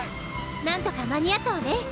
なんとか間に合ったわね！